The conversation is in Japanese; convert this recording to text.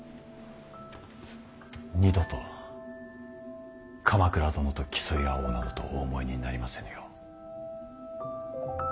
二度と鎌倉殿と競い合おうなどとお思いになりませぬよう。